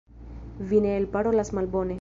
Vi ne elparolas malbone.